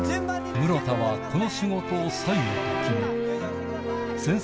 室田はこの仕事を最後と決め